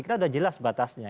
kita sudah jelas batasnya